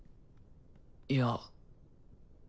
いや。